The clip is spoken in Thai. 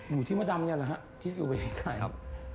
อยู่ที่มดำนี่หรือฮะที่อยู่ไอไข่ครับ